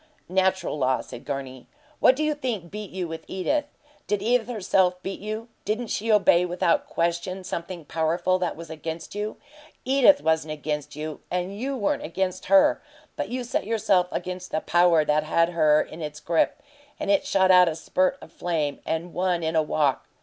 "Natural law," said Gurney. "What do you think beat you with Edith? Did Edith, herself, beat you? Didn't she obey without question something powerful that was against you? EDITH wasn't against you, and you weren't against HER, but you set yourself against the power that had her in its grip, and it shot out a spurt of flame and won in a walk!